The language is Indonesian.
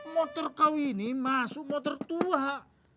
motor kau ini masuk motor tua